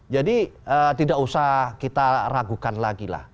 jadi tidak usah kita ragukan lagi lah